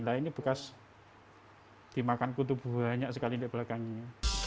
lainnya bekas dimakan kutu banyak sekali di belakangnya